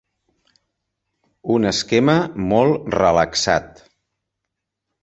Un esquema molt relaxat.